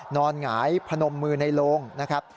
หงายพนมมือในโรงนะครับ